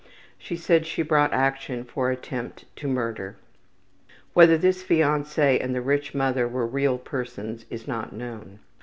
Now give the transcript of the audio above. She said she brought action for attempt to murder. (Whether this fiance and the rich mother were real persons is not known.)